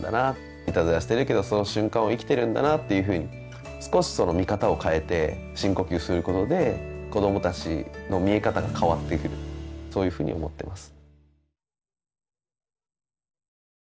「いたずらしてるけどその瞬間を生きてるんだな」っていうふうに少しその見方を変えて深呼吸することで子どもたちの見え方が変わってくるそういうふうに思ってます。